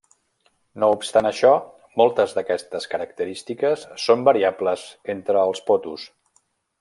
No obstant això, moltes d'aquestes característiques són variables entre els potos.